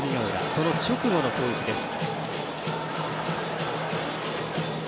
その直後の攻撃です。